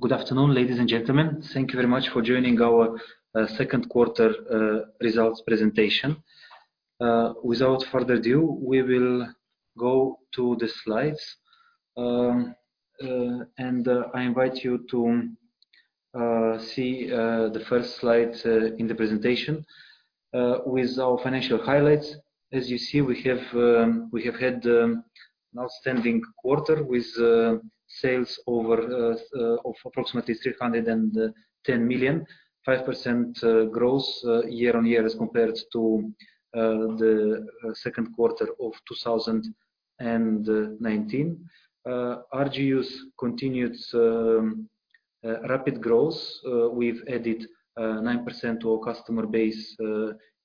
Good afternoon, ladies and gentlemen. Thank you very much for joining our second quarter results presentation. Without further ado, we will go to the slides. I invite you to see the first slide, in the presentation with our financial highlights. As you see, we have had an outstanding quarter with sales of approximately 310 million. 5% growth year-on-year as compared to the second quarter of 2019. RGUs continued rapid growth. We've added 9% to our customer base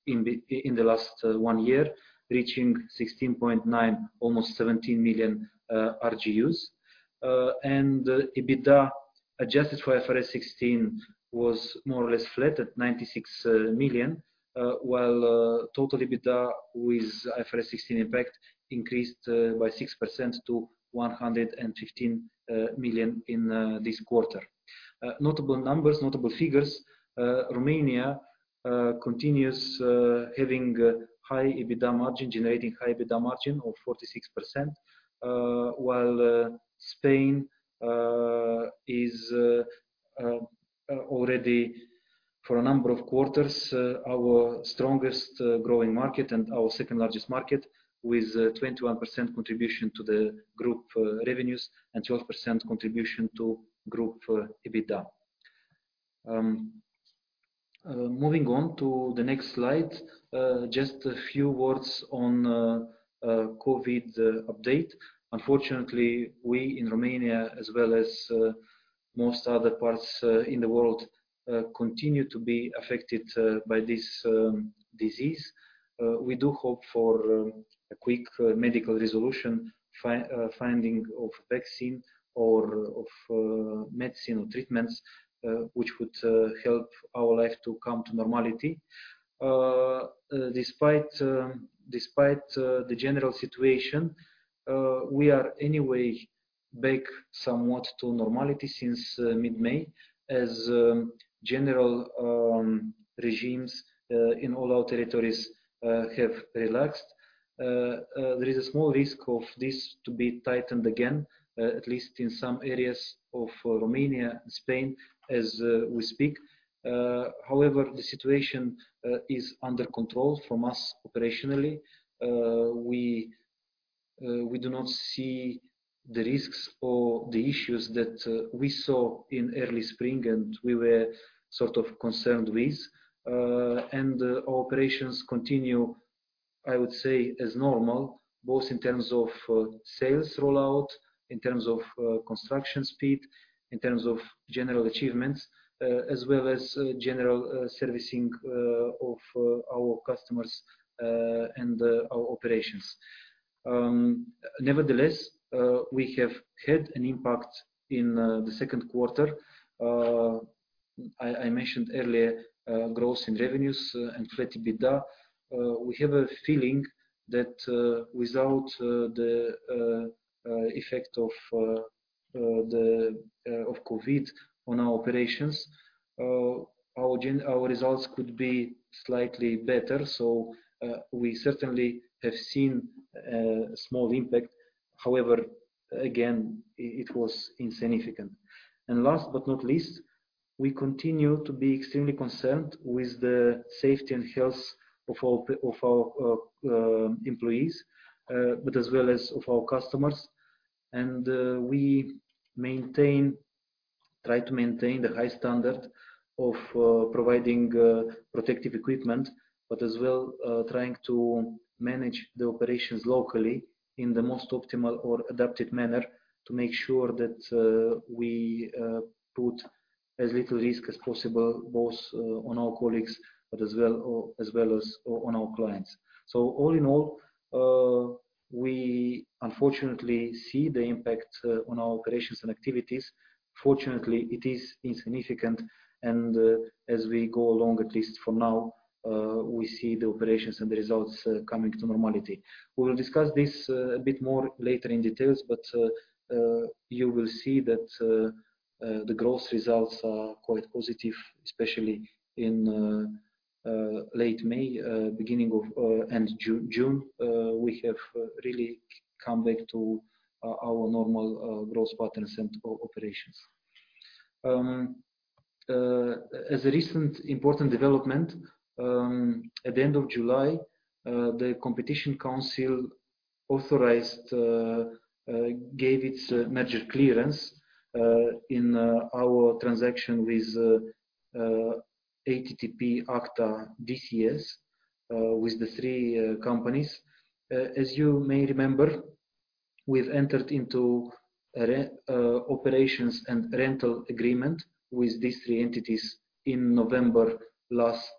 in the last one year. Reaching 16.9%, almost 17 million RGUs. EBITDA adjusted for IFRS 16, was more or less flat at 96 million. While total EBITDA with IFRS 16 impact increased by 6% to 115 million in this quarter. Notable numbers, notable figures. Romania continues having high EBITDA margin, generating high EBITDA margin of 46%. While Spain is already, for a number of quarters. Our strongest growing market, and our second-largest market with 21% contribution. To the group revenues, and 12% contribution to group EBITDA. Moving on to the next slide. Just a few words on COVID update. Unfortunately, we in Romania, as well as most other parts in the world. Continue to be affected by this disease. We do hope for a quick medical resolution, finding of vaccine or of medicine or treatments. Which would help our life to come to normality. Despite the general situation, we are anyway back somewhat to normality since mid-May. As general regimes in all our territories have relaxed. There is a small risk of this to be tightened again. At least in some areas of Romania, and Spain as we speak. However, the situation is under control from us operationally. We do not see the risks, or the issues that we saw in early spring. And we were sort of concerned with. Our operations continue, I would say, as normal, both in terms of sales rollout. In terms of construction speed, in terms of general achievements. As well as general servicing of our customers, and our operations. Nevertheless, we have had an impact in the second quarter. I mentioned earlier growth in revenues, and flat EBITDA. We have a feeling that without the effect of COVID on our operations. Our results could be slightly better. So, we certainly have seen a small impact. However, again, it was insignificant. Last but not least, we continue to be extremely concerned. With the safety, and health of our employees, but as well as of our customers. We try to maintain the high standard of providing protective equipment. But as well trying to manage the operations locally, in the most optimal or adapted manner. To make sure that we put as little risk as possible. Both on our colleagues, but as well as on our clients. All in all, we unfortunately see the impact on our operations, and activities. Fortunately, it is insignificant, and as we go along, at least for now. We see the operations, and the results coming to normality. We will discuss this a bit more later in details, but you will see that the growth results are quite positive. Especially in late May, and beginning of June. We have really come back to our normal growth patterns, and operations. As a recent important development, at the end of July. The Competition Council authorized, gave its merger clearance. In our transaction with ATTP, AKTA, DCS, with the three companies. As you may remember, we've entered into operations, and rental agreement. With these three entities in November last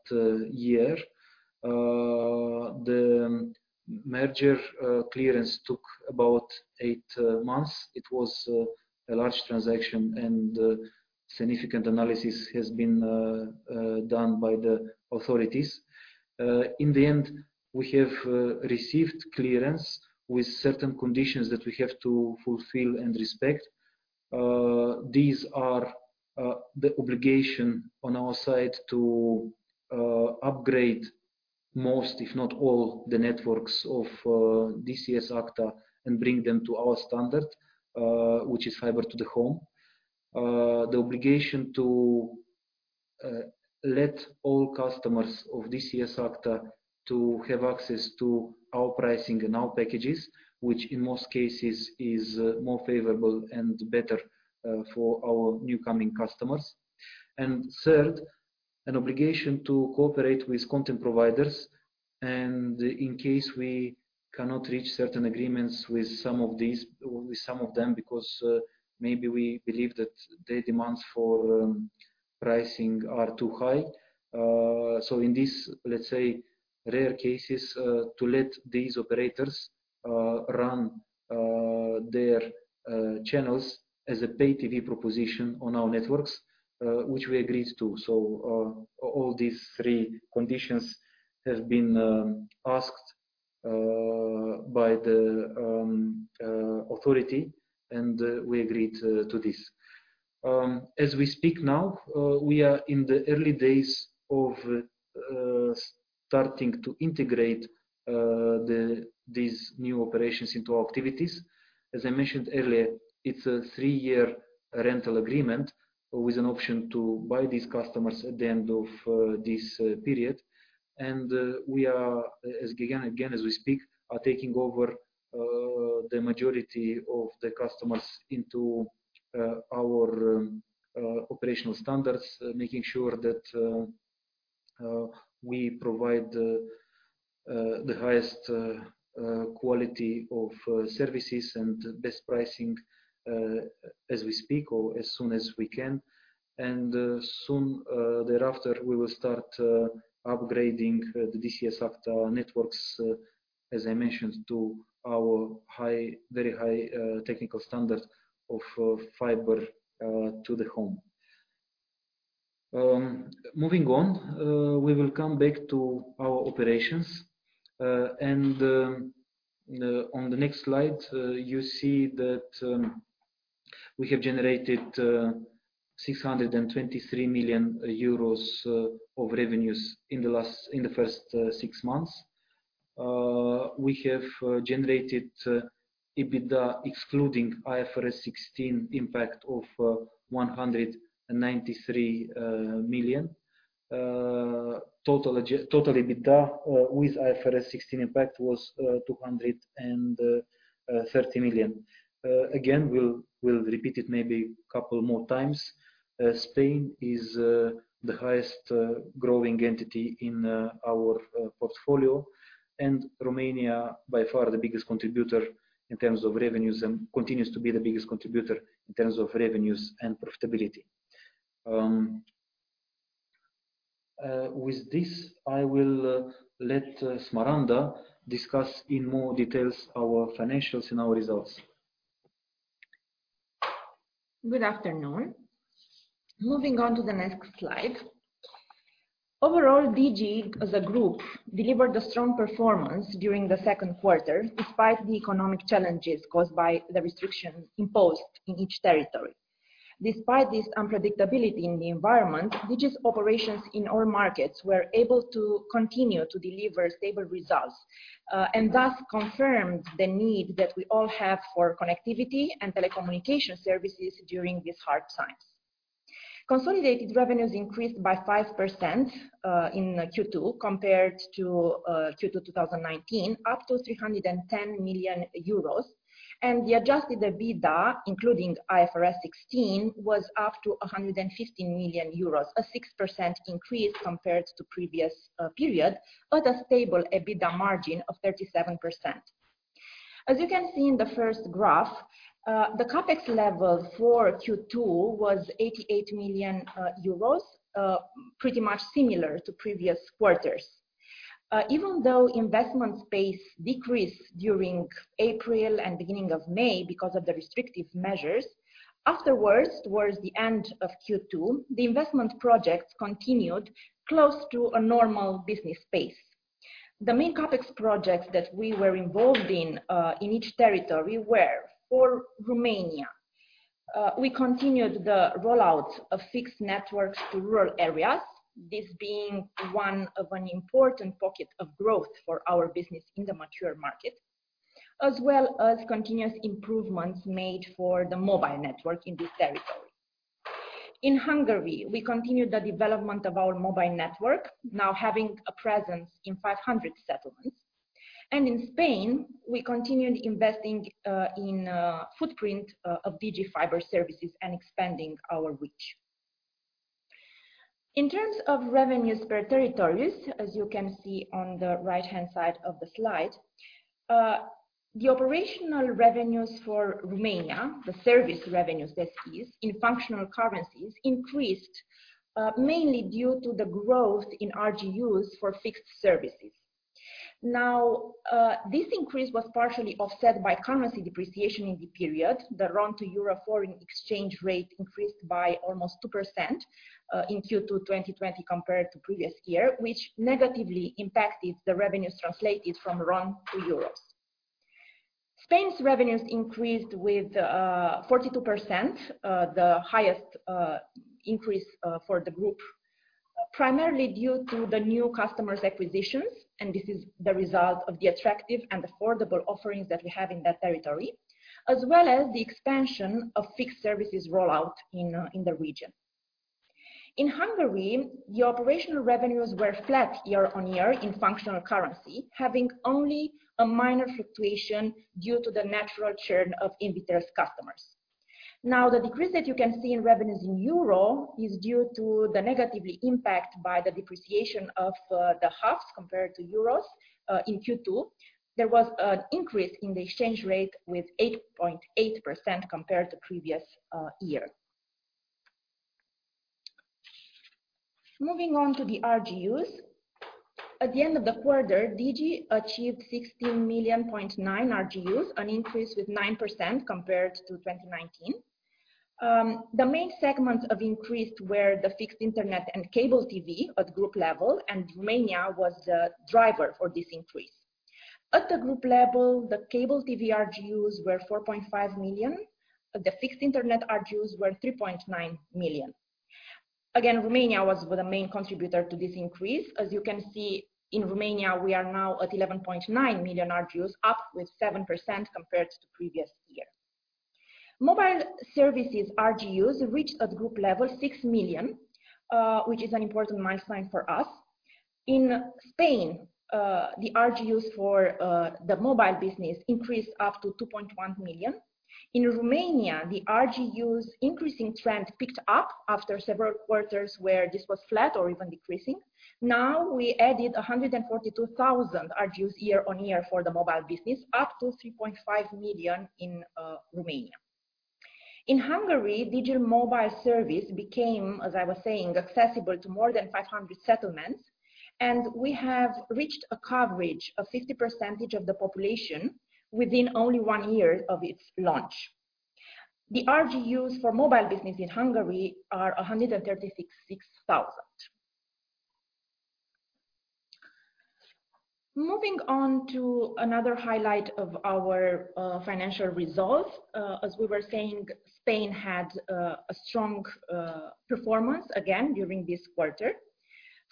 year. The merger clearance took about eight months. It was a large transaction, and significant analysis has been done by the authorities. In the end, we have received clearance with certain conditions that we have to fulfill, and respect. These are the obligation on our side to upgrade most, if not all. The networks of DCS-AKTA, and bring them to our standard. Which is Fiber-to-the-Home. The obligation to let all customers of DCS-AKTA to have access to our pricing and our packages. Which in most cases is more favorable, and better for our new coming customers. Third, an obligation to cooperate with content providers. And in case we cannot reach certain agreements with some of them. Because maybe we believe that their demands for pricing are too high. In this, let's say, rare cases, to let these operators, run their channels. As a pay TV proposition on our networks, which we agreed to. All these three conditions have been asked by the authority, and we agreed to this. As we speak now, we are in the early days of starting to integrate these new operations into our activities. As I mentioned earlier, it's a three-year rental agreement. With an option to buy these customers at the end of this period. We are, again, as we speak, taking over the majority of the customers. Into our operational standards, making sure that we provide the highest quality of services. And best pricing as we speak or as soon as we can. Soon thereafter, we will start upgrading the DCS-AKTA networks. As I mentioned, to our very high technical standard of Fiber-to-the-Home. Moving on, we will come back to our operations. On the next slide, you see that we have generated 623 million euros of revenues in the first six months. We have generated EBITDA excluding IFRS 16 impact of 193 million. Total EBITDA with IFRS 16 impact, was 230 million. Again, we'll repeat it maybe a couple more times. Spain is the highest growing entity in our portfolio, and Romania by far the biggest contributor in terms of revenues, and profitability. With this, I will let Smaranda discuss in more details our financials, and our results. Good afternoon. Moving on to the next slide. Overall, DIGI as a group delivered a strong performance during the second quarter. Despite the economic challenges caused by the restrictions imposed in each territory. Despite this unpredictability in the environment, DIGI's operations in all markets. Were able to continue to deliver stable results, and thus confirmed the need that we all have for connectivity. And telecommunication services during these hard times. Consolidated revenues increased by 5% in Q2 compared to Q2 2019, up to 310 million euros. The adjusted EBITDA, including IFRS 16, was up to 115 million euros. A 6% increase compared to previous period, but a stable EBITDA margin of 37%. As you can see in the first graph, the CapEx level for Q2 was 88 million euros, pretty much similar to previous quarters. Even though investment pace decreased during April, and beginning of May. Because of the restrictive measures, afterwards, towards the end of Q2. The investment projects continued close to a normal business pace. The main CapEx projects that we were involved in each territory were. For Romania, we continued the rollout of fixed networks to rural areas. This being one of the important pocket of growth for our business in the mature market. As well as continuous improvements made for the mobile network in this territory. In Hungary, we continued the development of our mobile network, now having a presence in 500 settlements. In Spain, we continued investing in footprint of DIGI Fiber services, and expanding our reach. In terms of revenues per territories, as you can see on the right-hand side of the slide. The operational revenues for Romania. The service revenues that is, in functional currencies increased. Mainly due to the growth in RGUs for fixed services. Now, this increase was partially offset by currency depreciation in the period. The RON to Euro foreign exchange rate increased by almost 2%, in Q2 2020 compared to previous year. Which negatively impacted the revenues translated from RON to Euros. Spain's revenues increased with 42%, the highest increase for the group. Primarily due to the new customers acquisitions. And this is the result of the attractive, and affordable offerings that we have in that territory. As well as the expansion of fixed services rollout in the region. In Hungary, the operational revenues were flat year-on-year in functional currency. Having only a minor fluctuation due to the natural churn of Invitel's customers. Now, the decrease that you can see in revenues in Euros, is due to the negative impact by the depreciation of the [forints] compared to Euros in Q2. There was an increase in the exchange rate of 8.8%, compared to previous year. Moving on to the RGUs. At the end of the quarter, DIGI achieved 16.9 million RGUs, an increase of 9% compared to 2019. The main segments of increase were the fixed internet, and cable TV at group level, and Romania was the driver for this increase. At the group level, the cable TV RGUs were 4.5 million. But the fixed internet RGUs were 3.9 million. Again, Romania was the main contributor to this increase. As you can see, in Romania, we are now at 11.9 million RGUs, up by 7% compared to previous year. Mobile services RGUs reached at group level 6 million. Which is an important milestone for us. In Spain, the RGUs for the mobile business increased up to 2.1 million. In Romania, the RGUs increasing trend picked up after several quarters. Where this was flat or even decreasing. Now, we added 142,000 RGUs year-on-year for the mobile business, up to 3.5 million in Romania. In Hungary, digital mobile service became, as I was saying, accessible to more than 500 settlements. And we have reached a coverage of 50% of the population, within only one year of its launch. The RGUs for mobile business in Hungary are 136,000. Moving on to another highlight of our financial results. As we were saying, Spain had a strong performance again during this quarter.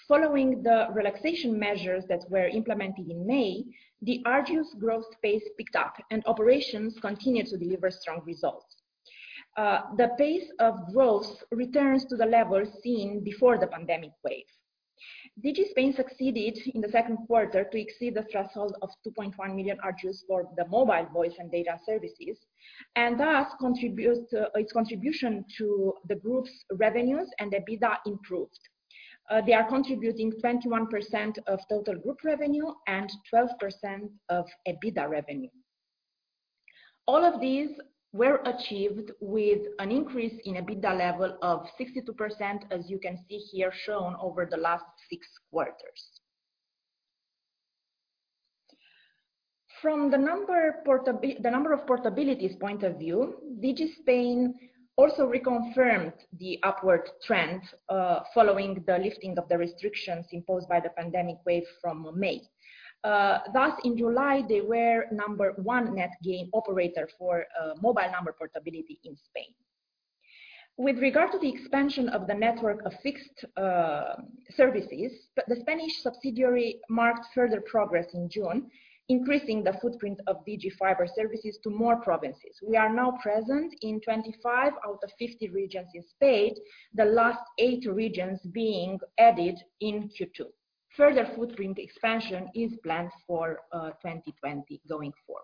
Following the relaxation measures that were implemented in May. The RGUs growth pace picked up, and operations continued to deliver strong results. The pace of growth returns to the levels seen before the pandemic wave. DIGI Spain succeeded in the second quarter, to exceed the threshold of 2.1 million RGUs. For the mobile voice, and data services, and thus its contribution. To the group's revenues, and EBITDA improved. They are contributing 21% of total group revenue, and 12% of EBITDA revenue. All of these were achieved with an increase in EBITDA level of 62%. As you can see here shown over the last six quarters. From the number of portabilities point of view, DIGI Spain also reconfirmed the upward trend, following the lifting of the restrictions imposed by the pandemic wave from May. Thus, in July, they were number one net gain operator for mobile number portability in Spain. With regard to the expansion of the network of fixed services. The Spanish subsidiary marked further progress in June. Increasing the footprint of DIGI Fiber services to more provinces. We are now present in 25 out of 50 regions in Spain, the last eight regions being added in Q2. Further footprint expansion is planned for 2020 going forward.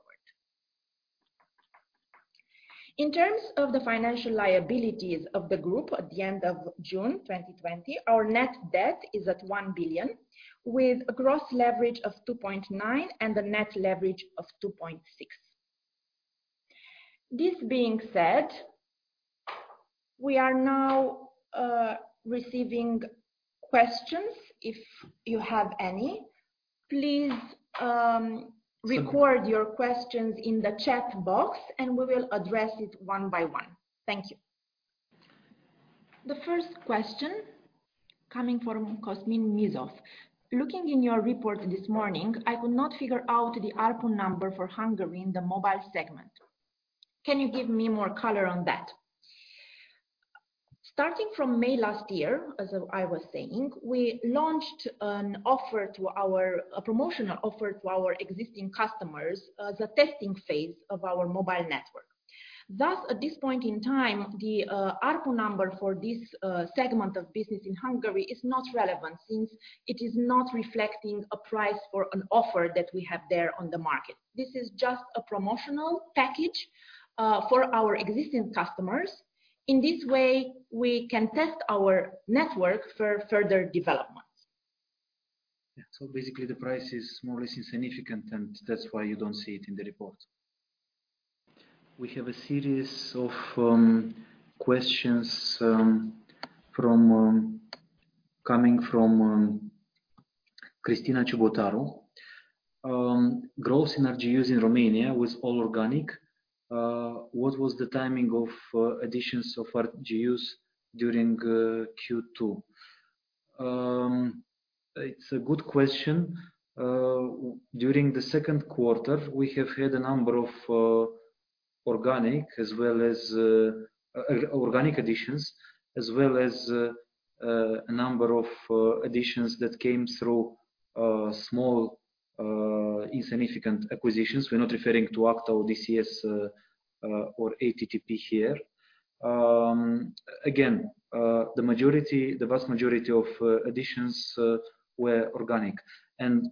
In terms of the financial liabilities of the group at the end of June 2020. Our net debt is at 1 billion, with a gross leverage of 2.9x, and a net leverage of 2.6x. This being said, we are now receiving questions, if you have any. Please record your questions in the chat box, and we will address it one by one. Thank you. The first question coming from Cosmin Mizof. "Looking in your report this morning, I could not figure out the ARPU number for Hungary in the mobile segment. Can you give me more color on that?" Starting from May last year, as I was saying, we launched an offer, to our promotional offer to our existing customers. As a testing phase of our mobile network. Thus, at this point in time, the ARPU number for this segment of business in Hungary is not relevant. Since it is not reflecting a price for an offer, that we have there on the market. This is just a promotional package for our existing customers. In this way, we can test our network for further development. Yeah. Basically the price is more or less insignificant, and that's why you don't see it in the report. We have a series of questions coming from Cristina Chibutaru. "Growth in RGUs in Romania was all organic. What was the timing of additions of RGUs during Q2?" It's a good question. During the second quarter, we have had a number of organic additions. As well as a number of additions that came through small, insignificant acquisitions. We're not referring to AKTA, DCS, or ATTP here. Again, the vast majority of additions were organic.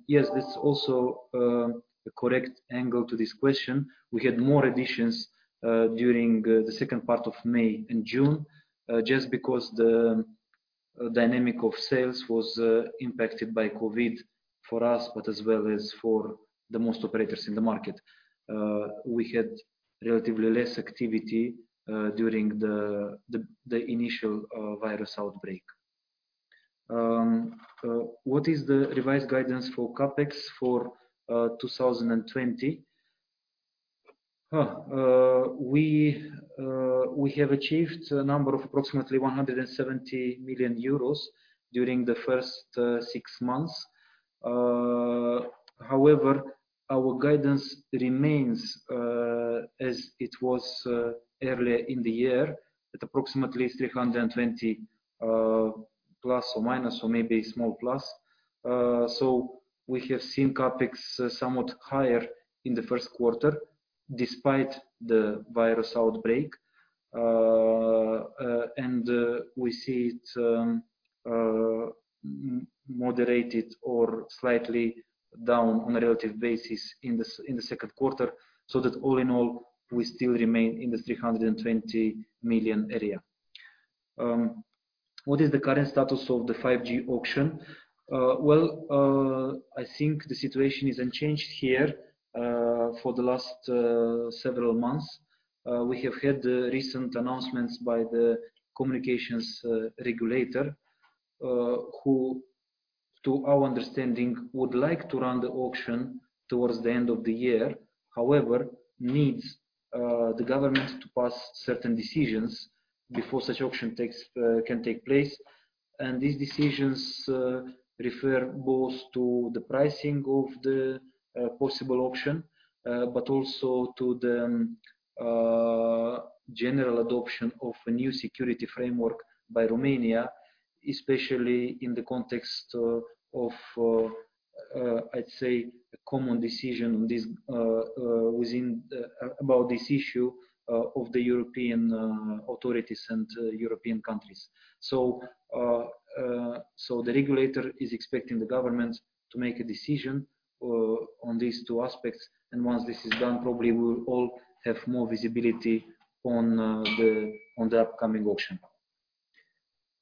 Yes, this is also a correct angle to this question. We had more additions during the second part of May and June. Just because the dynamic of sales was impacted by COVID for us. But as well as for the most operators in the market. We had relatively less activity during the initial virus outbreak. What is the revised guidance for CapEx for 2020? We have achieved a number of approximately 170 million euros, during the first six months. However, our guidance remains as it was earlier in the year at approximately 320 million ±, or maybe a small plus. We have seen CapEx somewhat higher in the first quarter, despite the virus outbreak. We see it moderated or slightly down on a relative basis in the second quarter. So that all in all, we still remain in the 320 million area. What is the current status of the 5G auction? Well, I think the situation is unchanged here, for the last several months. We have had recent announcements by the communications regulator. Who, to our understanding, would like to run the auction towards the end of the year. However, it needs the government to pass certain decisions, before such auction can take place. These decisions refer both to the pricing of the possible auction. But also, to the general adoption of a new security framework by Romania. Especially in the context of, I'd say, a common decision about this issue of the European authorities, and European countries. The regulator is expecting the government to make a decision on these two aspects. And once this is done, probably we will all have more visibility on the upcoming auction.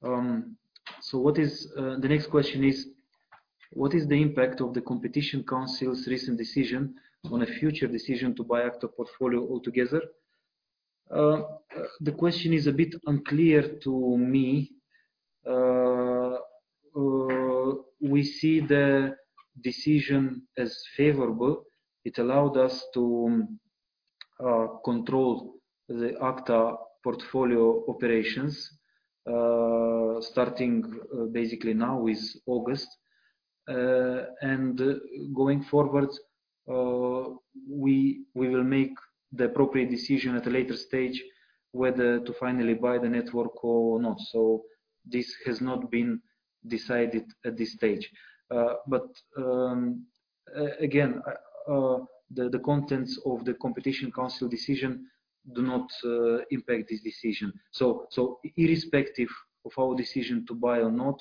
The next question is what is the impact of the Competition Council's recent decision, on a future decision to buy AKTA portfolio altogether? The question is a bit unclear to me. We see the decision as favorable. It allowed us to control the AKTA portfolio operations, starting basically now with August. Going forward, we will make the appropriate decision at a later stage. Whether to finally buy the network or not. This has not been decided at this stage. Again, the contents of the Competition Council decision do not impact this decision. Irrespective of our decision to buy or not,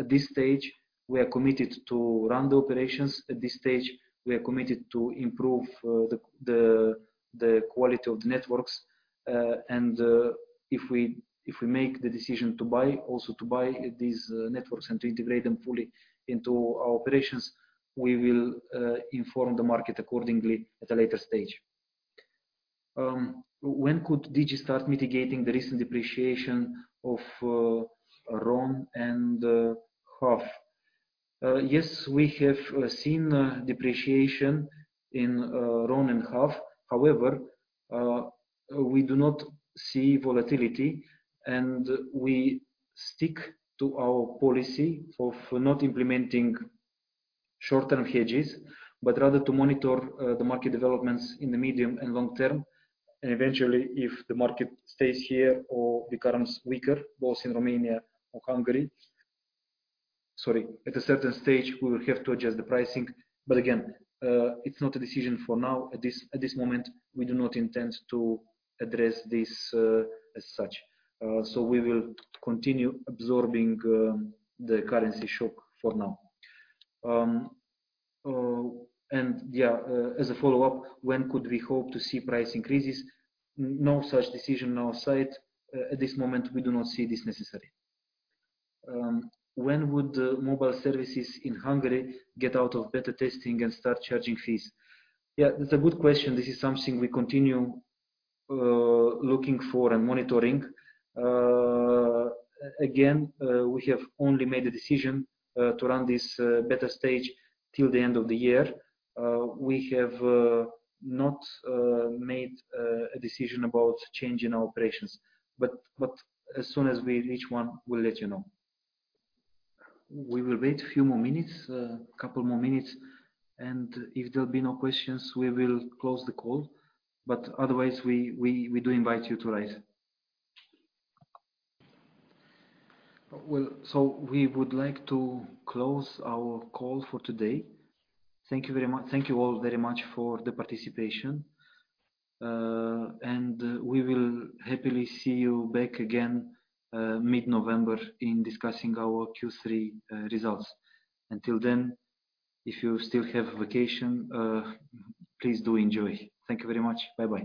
at this stage, we are committed to run the operations. At this stage, we are committed to improve the quality of the networks. If we make the decision to buy, also to buy these networks. And to integrate them fully into our operations, we will inform the market accordingly at a later stage. When could DIGI start mitigating the recent depreciation of RON and HUF? Yes, we have seen depreciation in RON and HUF. However, we do not see volatility, and we stick to our policy. Of not implementing short-term hedges, but rather to monitor the market developments in the medium, and long term. Eventually, if the market stays here or becomes weaker, both in Romania or Hungary. Sorry. At a certain stage, we will have to adjust the pricing. Again, it's not a decision for now. At this moment, we do not intend to address this as such. We will continue absorbing the currency shock for now. Yeah, as a follow-up, when could we hope to see price increases? No such decision on our side. At this moment, we do not see this necessary. When would mobile services in Hungary get out of beta testing, and start charging fees? Yeah, that's a good question. This is something we continue looking for and monitoring. Again, we have only made a decision to run this beta stage till the end of the year. We have not made a decision about change in our operations. As soon as we reach one, we'll let you know. We will wait a few more minutes, a couple more minutes. And if there'll be no questions, we will close the call. Otherwise, we do invite you to raise. Well, we would like to close our call for today. Thank you all very much for the participation. We will happily see you back again mid-November in discussing our Q3 results. Until then, if you still have vacation, please do enjoy. Thank you very much. Bye-bye.